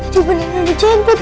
jadi beneran udah jenglot dong